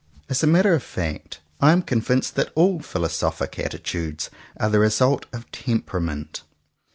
As a matter of fact, I am convinced that all philosophical attitudes are the result of temperament.